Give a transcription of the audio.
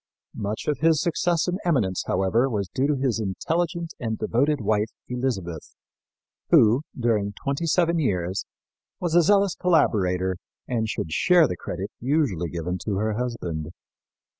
Much of his success and eminence, however, was due to his intelligent and devoted wife, Elizabeth, who, during twenty seven years, was a zealous collaborator and should share the credit usually given to her husband.